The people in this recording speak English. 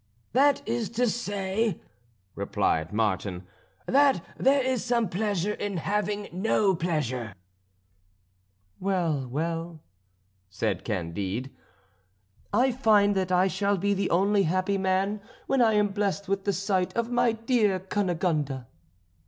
"That is to say," replied Martin, "that there is some pleasure in having no pleasure." "Well, well," said Candide, "I find that I shall be the only happy man when I am blessed with the sight of my dear Cunegonde."